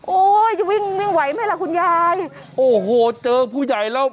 โอ้โฮวิ่งไหวไม่ละคุณยายโอ้โฮเจอผู้ใหญ่แล้ว